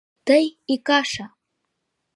Тый икаша